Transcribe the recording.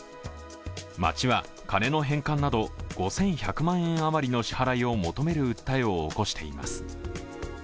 町は金の返還など５１００万円あまりの支払いを求める訴えを起こしています。